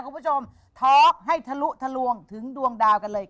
คุณผู้ชมทอร์กให้ถลุถลวงถึงดวงดาวกันเลย